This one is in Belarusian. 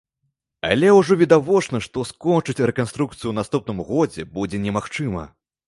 Але ўжо відавочна, што скончыць рэканструкцыю у наступным годзе будзе немагчыма.